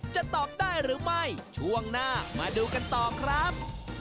จะตอบได้หรือไม่ช่วงหน้ามาดูกันต่อครับ